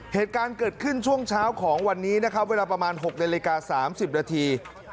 เหตุการณ์เกิดขึ้นช่วงเช้าของวันนี้นะครับเวลาประมาณ๖นาฬิกา๓๐นาที